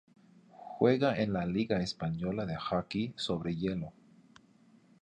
Juega en la liga española de hockey sobre hielo.